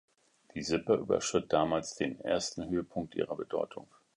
Die Sippe überschritt damals den ersten Höhepunkt ihrer Bedeutung.